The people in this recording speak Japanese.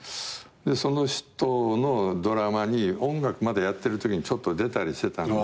その人のドラマに音楽まだやってるときに出たりしてたんで。